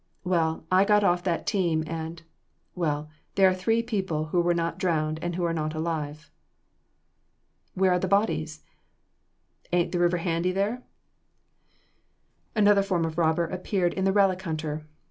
Well, I got off that team and well, there are three people who were not drowned and who are not alive." "Where are the bodies?" "Ain't the river handy there?" Another form of robber appeared in the relic hunter.